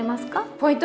ポイント